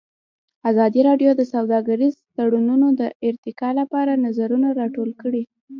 ازادي راډیو د سوداګریز تړونونه د ارتقا لپاره نظرونه راټول کړي.